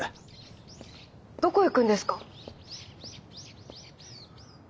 どこ行くんですか？